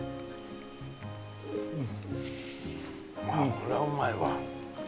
これはうまいわ。